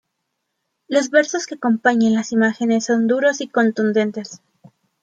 Los versos que acompañan las imágenes son duros y contundentes.